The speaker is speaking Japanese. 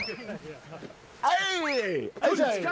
はい！